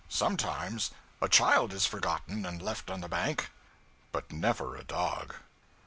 Sometimes a child is forgotten and left on the bank; but never a dog.